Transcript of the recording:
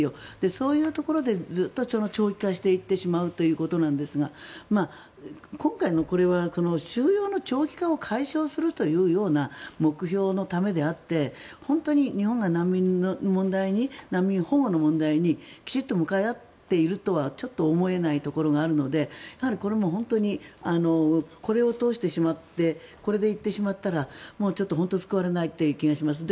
そういうところでずっと長期化していってしまうということなんですが今回のこれは収容の長期化を解消するというような目標のためであって本当に日本が難民保護の問題にきちんと向かい合っているとはちょっと思えないところがあるのでやはりこれも本当にこれを通してしまってこれで行ってしまったら本当に救われない気がします。